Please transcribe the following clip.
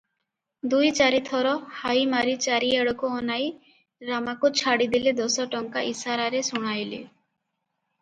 ଦୁଇ ଚାରିଥର ହାଇ ମାରି ଚାରିଆଡକୁ ଅନାଇ ରାମାକୁ ଛାଡିଦେଲେ ଦଶଟଙ୍କା ଇଶାରାରେ ଶୁଣାଇଲେ ।